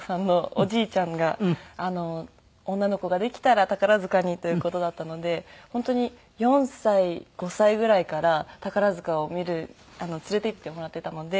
おじいちゃんが女の子ができたら宝塚にという事だったので本当に４歳５歳ぐらいから宝塚を見る連れて行ってもらっていたので。